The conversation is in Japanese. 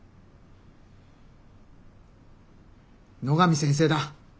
野上先生だ。